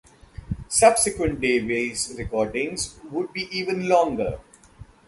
Subsequent Davis recordings would be even longer.